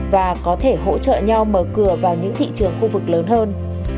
và có thể hỗ trợ nhau mở cửa vào những thị trường khu vực lớn hơn